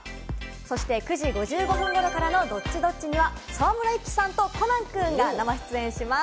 そして９時５５分頃からの「Ｄｏｔｔｉ‐Ｄｏｔｔｉ」には沢村一樹さんとコナン君が生出演します。